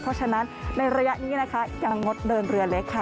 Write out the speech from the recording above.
เพราะฉะนั้นในระยะนี้นะคะยังงดเดินเรือเล็กค่ะ